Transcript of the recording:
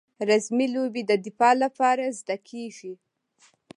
رزمي لوبې د دفاع لپاره زده کیږي.